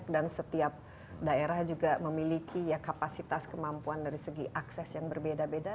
dan setiap daerah juga memiliki kapasitas kemampuan dari segi akses yang berbeda beda